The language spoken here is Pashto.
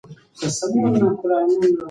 ده د واک محدوديت منلی و.